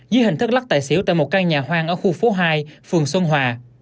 dưới hình thất lắc tại xỉu tại một căn nhà hoang ở khu phố hai phường xuân hòa